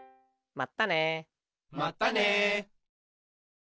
まったね。